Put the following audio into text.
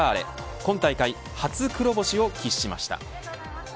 今大会、初黒星を喫しました。